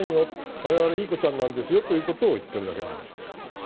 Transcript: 我々はいい子ちゃんなんですよということを言っているだけの話です。